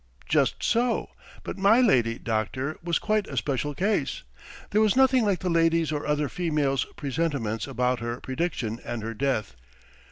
"Just so, but my lady, doctor, was quite a special case. There was nothing like the ladies' or other females' presentiments about her prediction and her death.